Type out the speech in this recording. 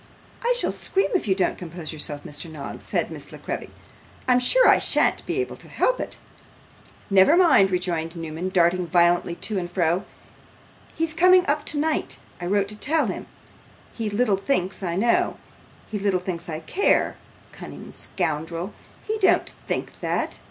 'I shall scream if you don't compose yourself, Mr. Noggs,' said Miss La Creevy; 'I'm sure I shan't be able to help it.' 'Never mind,' rejoined Newman, darting violently to and fro. 'He's coming up tonight: I wrote to tell him. He little thinks I know; he little thinks I care. Cunning scoundrel! he don't think that.